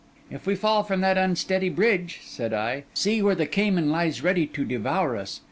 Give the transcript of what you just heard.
'If we fall from that unsteady bridge,' said I, 'see, where the caiman lies ready to devour us!